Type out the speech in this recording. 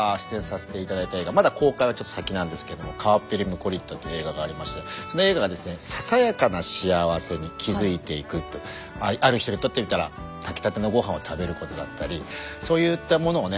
まだ公開はちょっと先なんですけども「川っぺりムコリッタ」という映画がありましてその映画がですねある人にとってみたら炊きたての御飯を食べることだったりそういったものをね